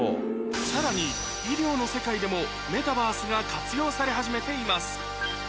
さらに医療の世界でもメタバースが活用され始めています